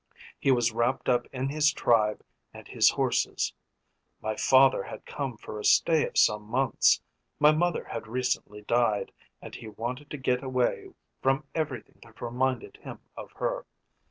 He was wrapped up in his tribe and his horses. My father had come for a stay of some months. My mother had recently died and he wanted to get away from everything that reminded him of her.